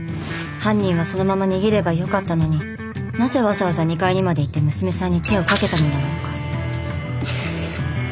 犯人はそのまま逃げればよかったのになぜわざわざ２階にまで行って娘さんに手をかけたのだろうか。